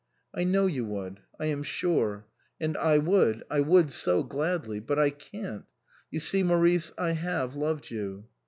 "I know you would. I am sure. And I would I would so gladly but I can't ! You see, Maurice, I have loved you."